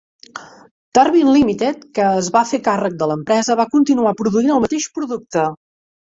Darwin Limited, que es va fer càrrec de l'empresa, va continuar produint el mateix producte.